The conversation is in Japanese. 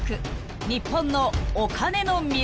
［日本のお金の未来］